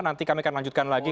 nanti kami akan lanjutkan lagi